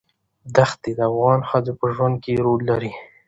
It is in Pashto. دښتې د افغان ښځو په ژوند کې رول لري.